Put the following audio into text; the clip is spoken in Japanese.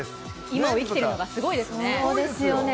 今を生きているのがすごいでそうですよね。